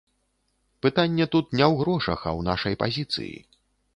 Пытанне тут не ў грошах, а ў нашай пазіцыі.